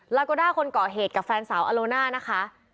ลาโกด้าคนเกาะเหตุกับแฟนสาวอโลน่านะคะ